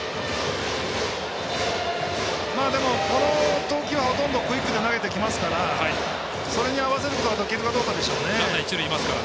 この投球は、ほとんどクイックで投げてきますからそれに合わせることができるかどうかですね。